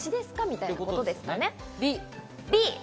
みたいなことですかね。